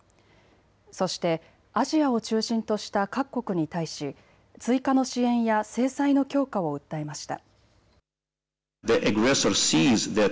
そしてアジアを中心とした各国に対し追加の支援や制裁の強化を訴えました。